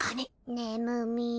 ねむみ。